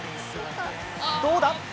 どうだ？